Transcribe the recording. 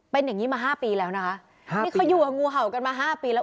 เป็นอย่างงี้มาห้าปีแล้วนะคะนี่เขาอยู่กับงูเห่ากันมาห้าปีแล้ว